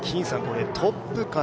トップから